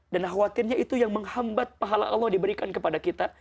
dan khawatirnya itu yang menghambat pahala allah diberikan kepada kita